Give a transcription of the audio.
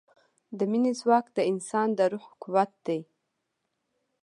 د مینې ځواک د انسان د روح قوت دی.